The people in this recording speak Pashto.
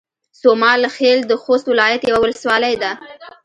سومال خيل د خوست ولايت يوه ولسوالۍ ده